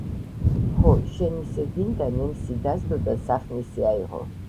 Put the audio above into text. ჰო, შენ ისე გინდა - ნემსი დასდო და სახნისი აიღო.